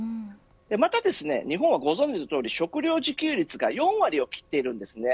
また日本はご存じのとおり食料自給率が４割を切っています。